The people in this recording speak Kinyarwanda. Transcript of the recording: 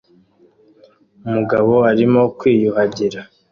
Umugabo arimo kwiyuhagira